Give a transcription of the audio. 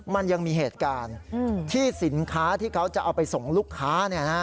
มันยังมีเหตุการณ์ที่สินค้าที่เขาจะเอาไปส่งลูกค้า